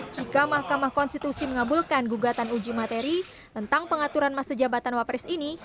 jika mahkamah konstitusi mengabulkan gugatan uji materi tentang pengaturan masa jabatan wapres ini